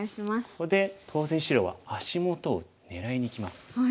ここで当然白は足元を狙いにきます。